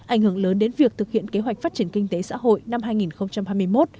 ảnh hưởng lớn đến việc thực hiện kế hoạch phát triển kinh tế xã hội năm hai nghìn hai mươi một